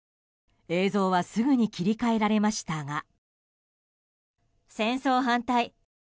映像はすぐに切り替えられましたが。